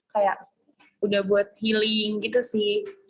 kayak udah buat healing gitu sih